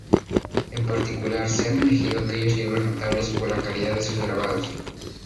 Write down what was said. En particular se han elegido aquellos libros notables por la calidad de sus grabados.